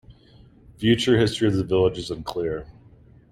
Further history of the village is unclear.